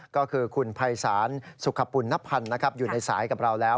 ก็คือคุณภัยสารสุขปุ่นนพรรณนะครับอยู่ในสายกับเราแล้ว